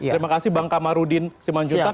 terima kasih bang kamarudin simanjuntak